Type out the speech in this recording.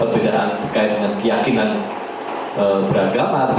perbedaan kait dengan keyakinan beragama